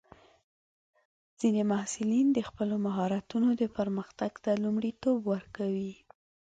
ځینې محصلین د خپلو مهارتونو پرمختګ ته لومړیتوب ورکوي.